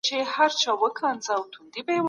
ژوند په وياړ ښه دی.